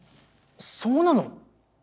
そうなの？